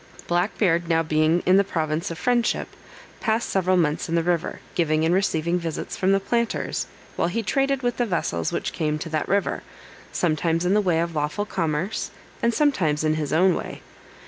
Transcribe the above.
_] Black Beard now being in the province of Friendship, passed several months in the river, giving and receiving visits from the planters; while he traded with the vessels which came to that river, sometimes in the way of lawful commerce, and sometimes in his own way.